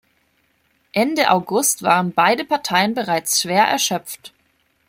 Ende August waren beide Parteien bereits schwer erschöpft.